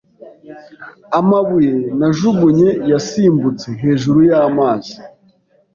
Amabuye najugunye yasimbutse hejuru y'amazi.